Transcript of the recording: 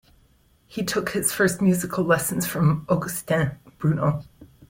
He took his first musical lessons from Augustin Bruno.